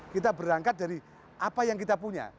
kita berangkat dari apa yang kita punya